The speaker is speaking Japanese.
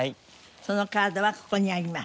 そのカードはここにあります。